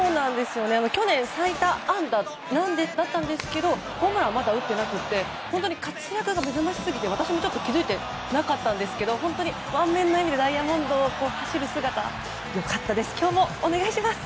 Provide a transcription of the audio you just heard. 去年最多安打だったんですけどホームランはまだ打ってなくて本当に活躍が目ざましいすぎて私も気づいてなかったんですけど本当に満面の笑みでダイヤモンドを走る姿良かったです。